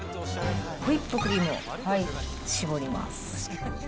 ホイップクリームをしぼります。